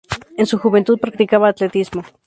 En su juventud practicaba atletismo.